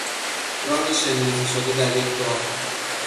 راه شن ریزی شده در یک باغ